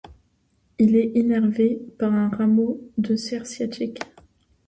Il est innervé par un rameau du nerf sciatique.